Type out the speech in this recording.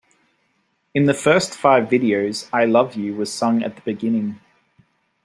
In the first five videos, "I Love You" was sung at the beginning.